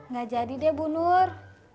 gak jadi deh bu nur